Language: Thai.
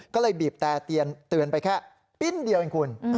ก็เลยบีบแต่เตือนไปแค่ปิ้นเดียวเองคุณ